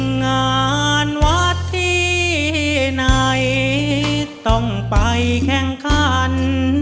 งานวัดที่ไหนต้องไปแข่งขัน